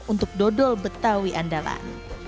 untuk dodol betawi andalan